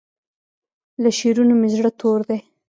له شعرونو مې زړه تور دی